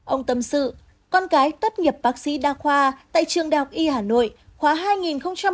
ông tâm sự con gái tất nghiệp bác sĩ đa khoa tại trường đại học y hà nội khoa hai nghìn một mươi ba hai nghìn một mươi chín